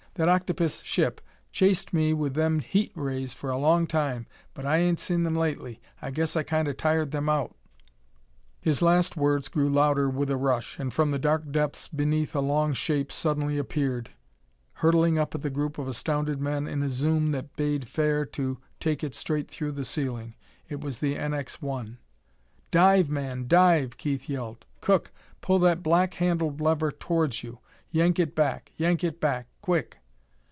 That octopis ship chased me with them heat rays for a long time, but I ain't seen them lately. I guess I kinda tired them out." His last words grew louder with a rush, and from the dark depths beneath a long shape suddenly appeared, hurtling up at the group of astounded men in a zoom that bade fair to take it straight through the ceiling. It was the NX 1. "Dive, man, dive!" Keith yelled. "Cook, pull that black handled lever towards you! Yank it back! Yank it back! Quick!"